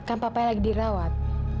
kan papanya lagi dirawat